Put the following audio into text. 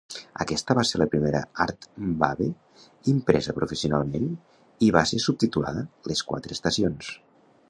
Aquesta va ser la primera "Artbabe" impresa professionalment i va ser subtitulada "Les Quatre Estacions".